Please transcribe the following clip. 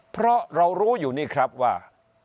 เพราะเรารู้อยู่นี่ครับว่า